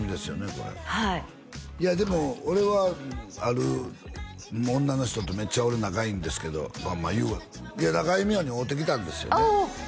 これはいいやでも俺はある女の人とめっちゃ俺仲いいんですけどまあ言うわ中井美穂に会うてきたんですよねおお！